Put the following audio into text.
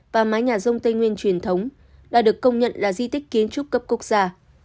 và mái nhà rông tây nguyên truyền thống đã được công nhận là di tích kiến trúc cấp quốc gia